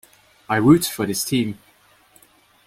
I root for this team.